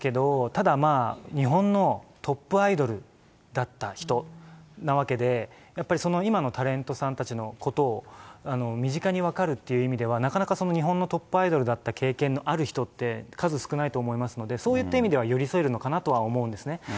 ただまあ、日本のトップアイドルだった人なわけで、今のタレントさんたちのことを身近に分かるっていう意味では、なかなか日本のトップアイドルだった経験のある人って、数少ないと思いますので、そういった意味では寄り添えるのかなとは思うんですね。